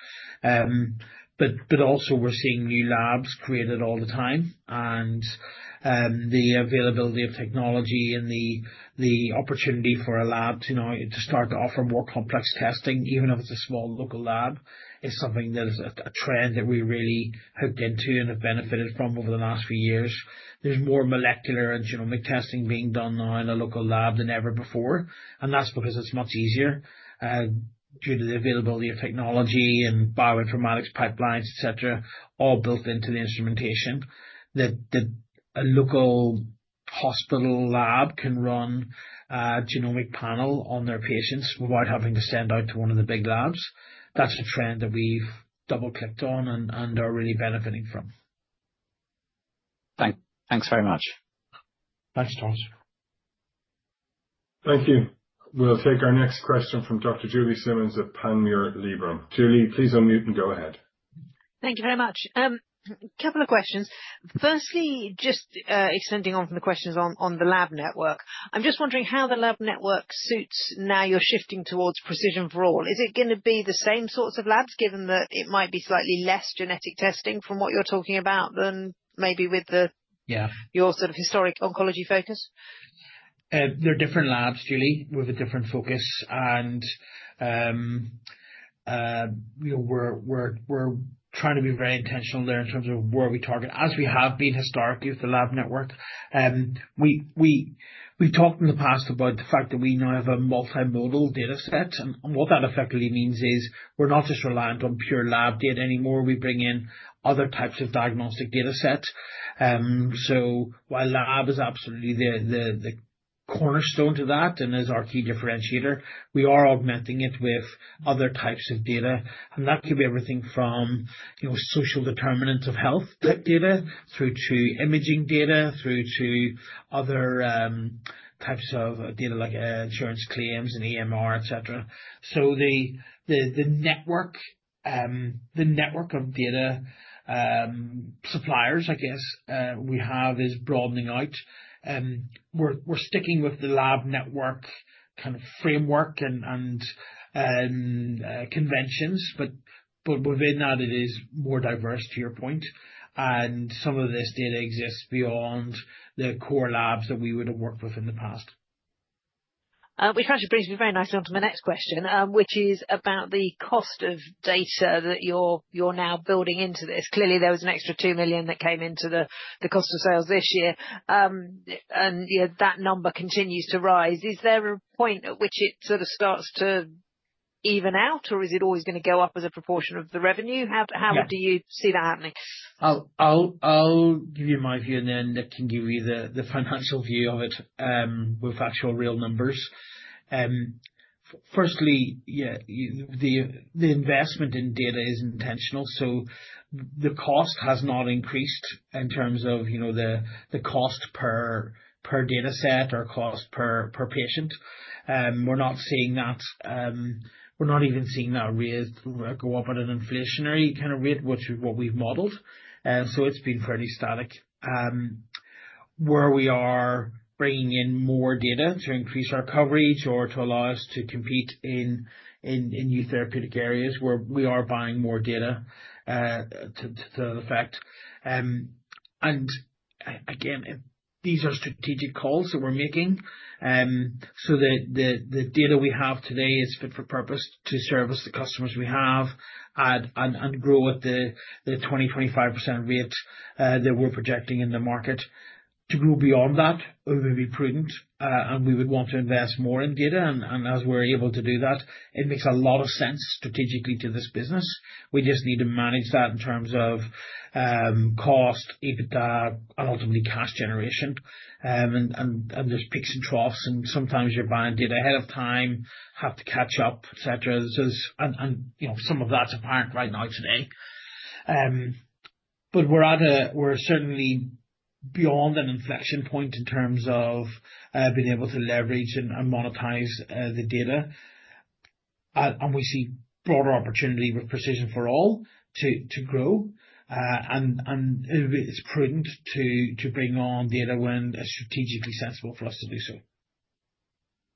Speaker 2: Also we're seeing new labs created all the time, and the availability of technology and the opportunity for a lab to start to offer more complex testing, even if it's a small local lab, is something that is a trend that we really hooked into and have benefited from over the last few years. There's more molecular and genomic testing being done now in a local lab than ever before. That's because it's much easier due to the availability of technology and bioinformatics pipelines, et cetera, all built into the instrumentation that the local hospital lab can run a genomic panel on their patients without having to send out to one of the big labs. That's a trend that we've double-clicked on and are really benefiting from.
Speaker 5: Thanks very much.
Speaker 3: Thanks, Charles.
Speaker 1: Thank you. We'll take our next question from Dr. Julie Simmonds of Panmure Liberum. Julie, please unmute and go ahead.
Speaker 6: Thank you very much. Couple of questions. Firstly, just extending on from the questions on the lab network. I'm just wondering how the lab network suits now you're shifting towards Precision for All. Is it going to be the same sorts of labs given that it might be slightly less genetic testing from what you're talking about than maybe with the?
Speaker 2: Yeah
Speaker 6: your sort of historic oncology focus?
Speaker 2: They're different labs, Julie. With a different focus, we're trying to be very intentional there in terms of where we target, as we have been historically with the lab network. We've talked in the past about the fact that we now have a multimodal data set, and what that effectively means is we're not just reliant on pure lab data anymore. We bring in other types of diagnostic data sets. While lab is absolutely the cornerstone to that and is our key differentiator, we are augmenting it with other types of data. That could be everything from social determinants of health data through to imaging data, through to other types of data like insurance claims and EMR, et cetera. The network of data suppliers, I guess, we have is broadening out. We're sticking with the lab network framework and conventions, but within that it is more diverse to your point. Some of this data exists beyond the core labs that we would have worked with in the past.
Speaker 6: Which actually brings me very nicely onto my next question, which is about the cost of data that you're now building into this. Clearly, there was an extra 2 million that came into the cost of sales this year. Yet that number continues to rise. Is there a point at which it sort of starts to even out, or is it always going to go up as a proportion of the revenue? How do you see that happening?
Speaker 2: I'll give you my view and then Nick can give you the financial view of it with actual real numbers. Firstly, yeah, the investment in data is intentional, so the cost has not increased in terms of the cost per data set or cost per patient. We're not seeing that. We're not even seeing that raised go up at an inflationary rate, which is what we've modeled. It's been fairly static. Where we are bringing in more data to increase our coverage or to allow us to compete in new therapeutic areas where we are buying more data to the effect. Again, these are strategic calls that we're making so that the data we have today is fit for purpose to service the customers we have and grow at the 20%-25% rate that we're projecting in the market. To grow beyond that, it would be prudent and we would want to invest more in data. As we're able to do that, it makes a lot of sense strategically to this business. We just need to manage that in terms of cost, EBITDA, and ultimately cash generation. There's peaks and troughs, and sometimes you're buying data ahead of time, have to catch up, et cetera. Some of that's apparent right now today. We're certainly beyond an inflection point in terms of being able to leverage and monetize the data. We see broader opportunity with Precision for All to grow. It's prudent to bring on data when strategically sensible for us to do so.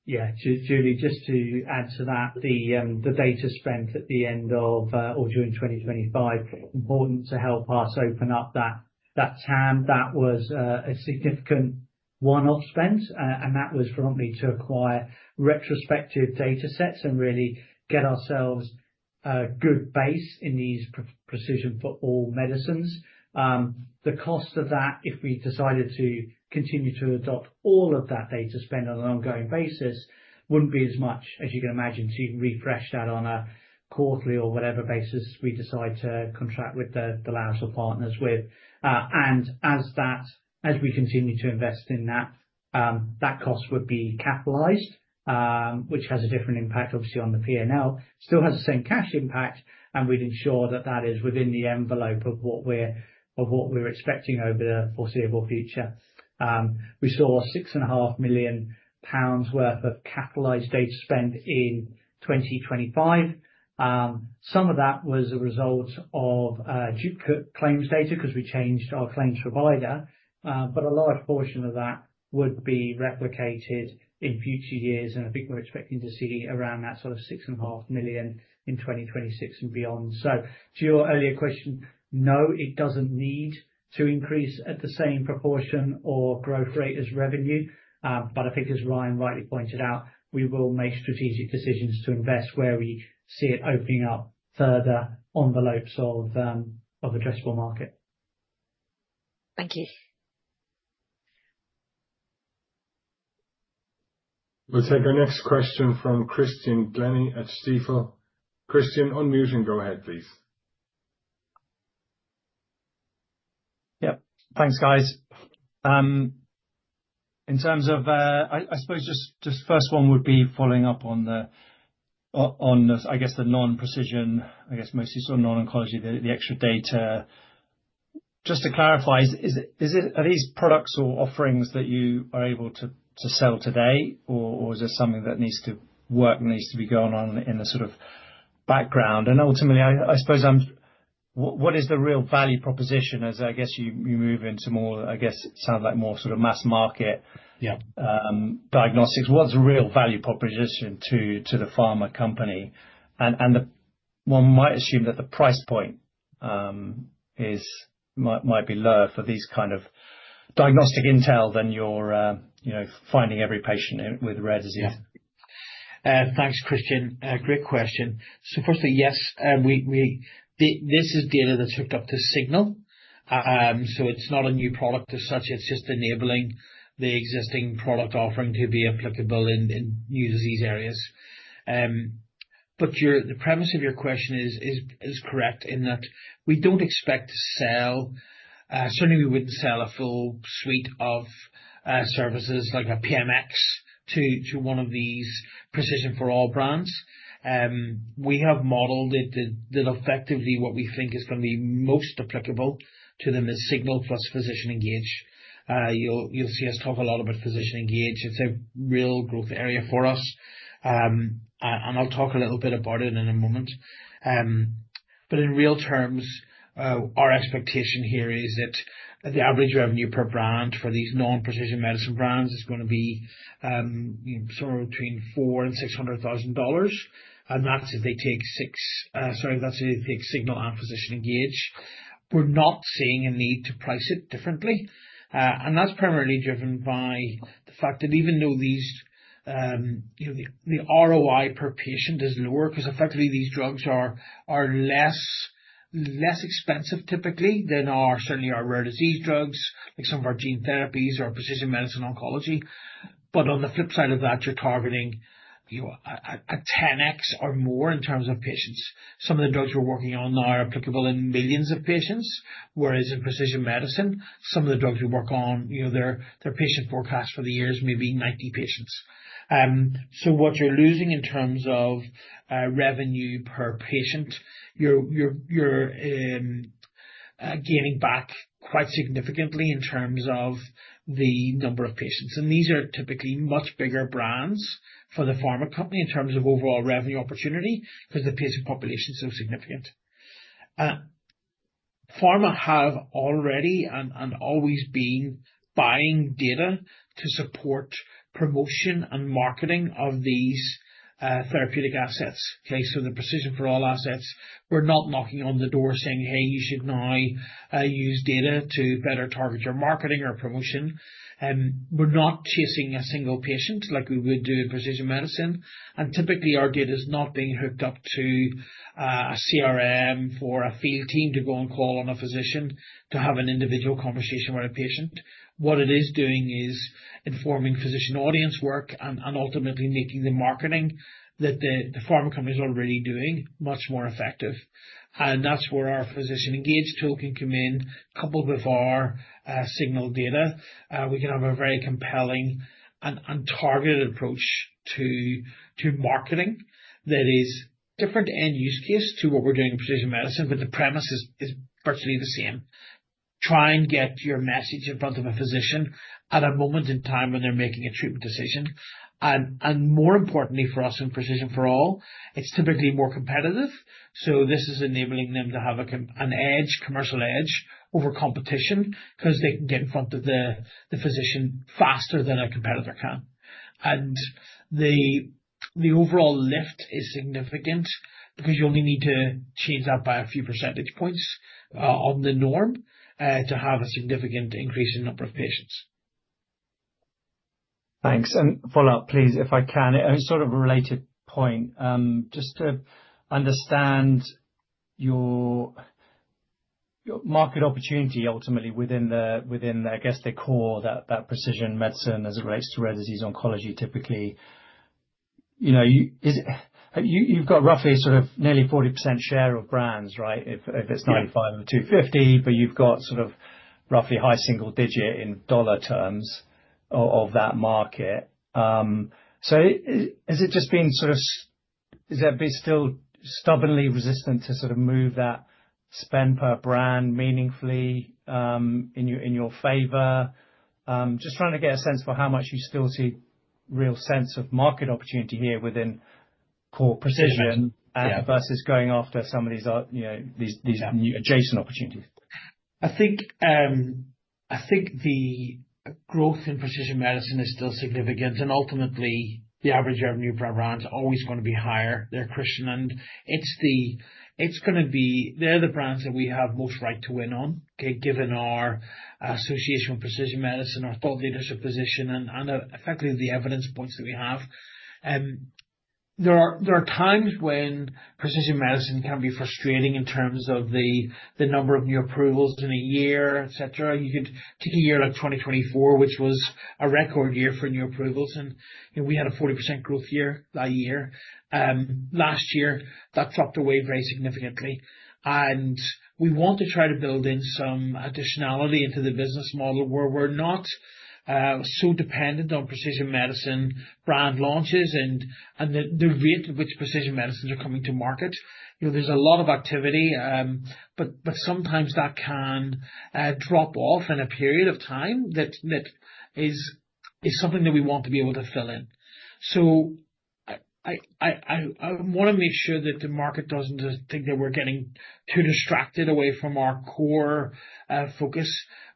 Speaker 3: Yeah. Julie, just to add to that. The data spent at the end of or during 2025 important to help us open up that TAM. That was a significant one-off spend. That was for me to acquire retrospective data sets and really get ourselves A good base in these Precision for All medicines. The cost of that, if we decided to continue to adopt all of that data spend on an ongoing basis, wouldn't be as much, as you can imagine, to refresh that on a quarterly or whatever basis we decide to contract with the labs or partners with. As we continue to invest in that cost would be capitalized, which has a different impact, obviously, on the P&L. Still has the same cash impact, and we'd ensure that that is within the envelope of what we're expecting over the foreseeable future. We saw 6.5 million pounds worth of capitalized data spend in 2025. Some of that was a result of duplicate claims data, because we changed our claims provider. A large portion of that would be replicated in future years, and I think we're expecting to see around that sort of 6.5 million in 2026 and beyond. To your earlier question, no, it doesn't need to increase at the same proportion or growth rate as revenue. I think as Ryan rightly pointed out, we will make strategic decisions to invest where we see it opening up further envelopes of addressable market.
Speaker 6: Thank you.
Speaker 1: We'll take our next question from Christian Glennie at Stifel. Christian, unmute and go ahead, please.
Speaker 7: Yep. Thanks, guys. In terms of, I suppose just first one would be following up on the, I guess the non-precision, I guess mostly sort of non-oncology, the extra data. Just to clarify, are these products or offerings that you are able to sell today or is this something that needs to work, needs to be going on in the sort of background? Ultimately, I suppose, what is the real value proposition as I guess you move into more, I guess, sound like more sort of mass market?
Speaker 2: Yeah
Speaker 7: diagnostics. What's the real value proposition to the pharma company? One might assume that the price point might be lower for these kind of diagnostic intel than your finding every patient with rare disease.
Speaker 2: Yeah. Thanks, Christian. Great question. Firstly, yes. This is data that's hooked up to Signal. It's not a new product as such. It's just enabling the existing product offering to be applicable in new disease areas. The premise of your question is correct in that we don't expect to sell. Certainly, we wouldn't sell a full suite of services like a PMx to one of these Precision for All brands. We have modeled it that effectively what we think is going to be most applicable to them is Signal plus Physician Engage. You'll see us talk a lot about Physician Engage. It's a real growth area for us. I'll talk a little bit about it in a moment. In real terms, our expectation here is that the average revenue per brand for these non-precision medicine brands is going to be somewhere between $400,000-$600,000. That's if they take DXRX Signal and Physician Engage. We're not seeing a need to price it differently. That's primarily driven by the fact that even though the ROI per patient is lower, because effectively these drugs are less expensive typically than certainly our rare disease drugs, like some of our gene therapies or precision medicine oncology. On the flip side of that, you're targeting a 10x or more in terms of patients. Some of the drugs we're working on now are applicable in millions of patients. Whereas in precision medicine, some of the drugs we work on, their patient forecast for the year is maybe 90 patients. What you're losing in terms of revenue per patient, you're gaining back quite significantly in terms of the number of patients. These are typically much bigger brands for the pharma company in terms of overall revenue opportunity because the patient population is so significant. Pharma have already and always been buying data to support promotion and marketing of these therapeutic assets. Okay? The Precision for All assets, we're not knocking on the door saying, "Hey, you should now use data to better target your marketing or promotion." We're not chasing a single patient like we would do in precision medicine. Typically, our data is not being hooked up to a CRM for a field team to go and call on a physician to have an individual conversation with a patient. What it is doing is informing physician audience work and ultimately making the marketing that the pharma company is already doing much more effective. That's where our Physician Engage tool can come in. Coupled with our Signal data, we can have a very compelling and targeted approach to marketing that is different end use case to what we're doing in precision medicine, the premise is virtually the same. Try and get your message in front of a physician at a moment in time when they're making a treatment decision. More importantly for us in Precision for All, it's typically more competitive. This is enabling them to have a commercial edge over competition because they can get in front of the physician faster than a competitor can. The overall lift is significant because you only need to change that by a few percentage points on the norm to have a significant increase in number of patients.
Speaker 7: Thanks. Follow-up please, if I can. It's sort of a related point. Just to understand your market opportunity ultimately within, I guess the core, that precision medicine as it relates to rare disease oncology, typically. You've got roughly sort of nearly 40% share of brands, right? If it's 95 of the 250. You've got sort of roughly high single digit in dollar terms of that market. Has that been still stubbornly resistant to sort of move that spend per brand meaningfully in your favor? Just trying to get a sense for how much you still see real sense of market opportunity here within core precision versus going after some of these adjacent opportunities.
Speaker 2: I think the growth in precision medicine is still significant and ultimately the average revenue per brand is always going to be higher there, Christian. They're the brands that we have most right to win on, given our association with precision medicine, our thought leadership position and effectively the evidence points that we have. There are times when precision medicine can be frustrating in terms of the number of new approvals in a year, et cetera. You could take a year like 2024, which was a record year for new approvals, and we had a 40% growth year that year. Last year, that dropped away very significantly. We want to try to build in some additionality into the business model where we're not so dependent on precision medicine brand launches and the rate at which precision medicines are coming to market. There's a lot of activity. Sometimes that can drop off in a period of time. That is something that we want to be able to fill in. I want to make sure that the market doesn't think that we're getting too distracted away from our core focus.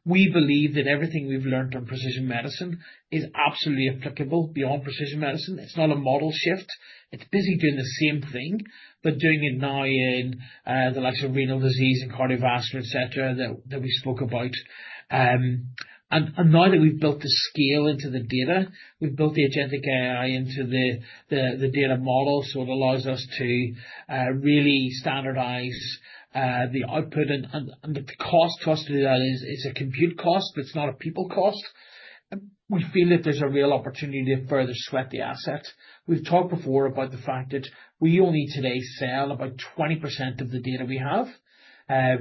Speaker 2: We believe that everything we've learned on precision medicine is absolutely applicable beyond precision medicine. It's not a model shift. It's busy doing the same thing, but doing it now in the likes of renal disease and cardiovascular, et cetera, that we spoke about. Now that we've built the scale into the data, we've built the agentic AI into the data model. It allows us to really standardize the output. The cost to us to do that is a compute cost, but it's not a people cost. We feel that there's a real opportunity to further sweat the asset. We've talked before about the fact that we only today sell about 20% of the data we have. I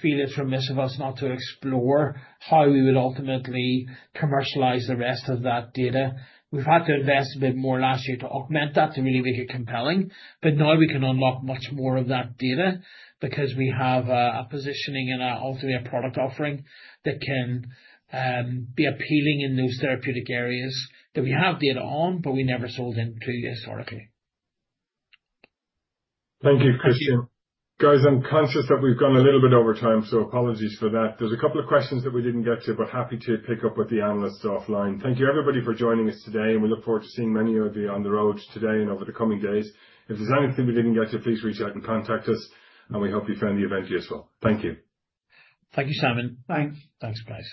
Speaker 2: feel it's remiss of us not to explore how we would ultimately commercialize the rest of that data. We've had to invest a bit more last year to augment that, to really make it compelling. Now we can unlock much more of that data because we have a positioning and ultimately a product offering that can be appealing in those therapeutic areas that we have data on, but we never sold into historically.
Speaker 1: Thank you, Christian. Guys, I'm conscious that we've gone a little bit over time. Apologies for that. There's a couple of questions that we didn't get to. Happy to pick up with the analysts offline. Thank you everybody for joining us today. We look forward to seeing many of you on the road today and over the coming days. If there's anything we didn't get to, please reach out and contact us. We hope you found the event useful. Thank you.
Speaker 2: Thank you, Simon.
Speaker 3: Thanks.
Speaker 2: Thanks, guys.